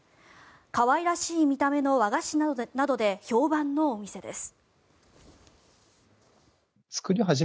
可愛らしい見た目の和菓子などで評判のお店です。